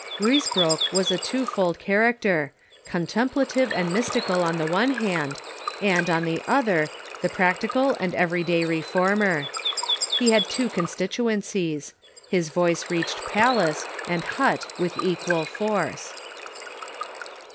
Ruys broek was a twofold character, contemplative and mystical on the one hand, and, on the other, the pi actical and every day Reformer. He had two constituencies. His voice reached pal ace and hut with equal force.